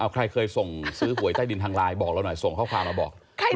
ใครเคยส่งซื้อหวยใต้ดินทางไลน์บอกเราหน่อยส่งข้อความมาบอก